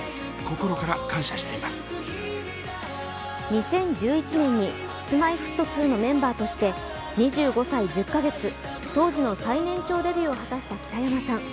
２０１１年にＫｉｓ−Ｍｙ−Ｆｔ２のメンバーとして２５歳１０か月、当時の最年長デビューを果たした北山さん。